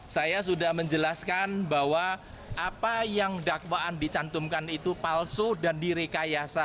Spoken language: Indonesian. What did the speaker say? saya sudah menjelaskan bahwa apa yang dakwaan dicantumkan itu palsu dan direkayasa